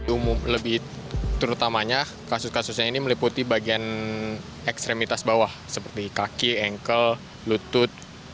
umum lebih terutamanya kasus kasusnya ini meliputi bagian ekstremitas bawah seperti kaki engkel lutut